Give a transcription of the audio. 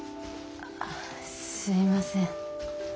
あすいません。